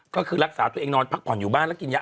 ก็คือรักษาตัวเองนอนพักผ่อนอยู่บ้านแล้วกินยา